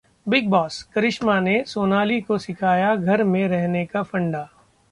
Bigg Boss: Karishma ने सोनाली को सिखाया घर में रहने का फंडा